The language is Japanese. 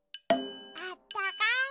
あったかい。